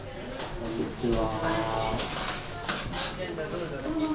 こんにちは。